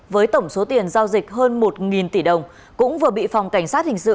với tổng số tiền giao dịch hơn một tỷ đồng cũng vừa bị phòng cảnh sát hình sự